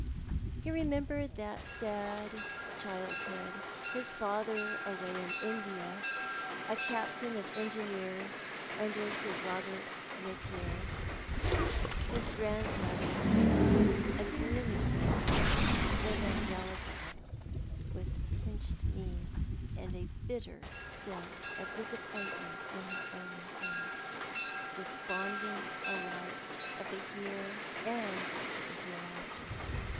He remembered that sad childhood, his father away in India, a captain of engineers under Sir Kobert Napier, his grandmother a gloomy woman, evangelical, with pinched means, and a bitter sense of dis appointment in her only son, despondent alike of the here and the hereafter.